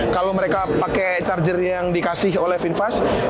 kalau mereka pakai charger yang dikasih oleh finfas